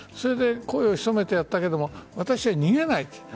声を潜めてやったけど私は逃げないと。